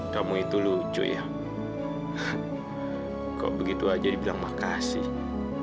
kamu itu lucu ya kok begitu aja dibilang makasih